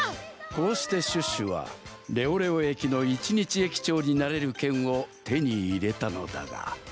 こうしてシュッシュはレオレオ駅の一日駅長になれるけんをてにいれたのだが。